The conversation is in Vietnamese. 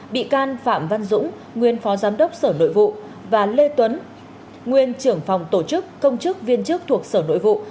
bị can phạm văn dũng nguyên phó giám đốc sở nội vụ và lê tuấn nguyên trưởng phòng tổ chức công chức viên chức thuộc sở nội vụ